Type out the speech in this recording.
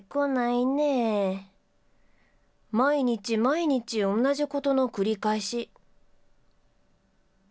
毎日毎日、おんなじことの繰り返し。